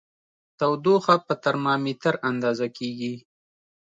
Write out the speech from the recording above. تودوخه په ترمامیتر اندازه کېږي.